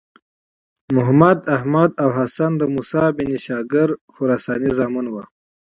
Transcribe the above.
محمد، احمد او حسن د موسی بن شاګر خراساني زامن وو.